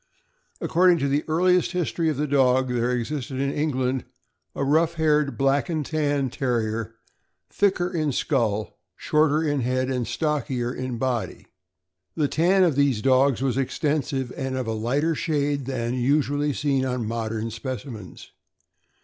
According to the earliest his tory of the dog, there existed in England a rough haired Black and Tan Terrier thicker in skull, shorter in head, and stockier in body. The tan of these dogs was extensive, and of a lighter shade than that usually seen on modern specimens.